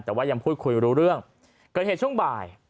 แต่ว่ายังพูดคุยรู้เรื่องเกิดเหตุช่วงบ่าย